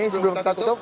sebelum kita tutup